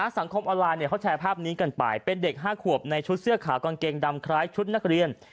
สังคมออนไลน์เขาแชร์ภาพนี้กันไปเป็นเด็ก๕ขวบในชุดเสื้อขาวกางเกงดำคล้ายชุดนักเรียน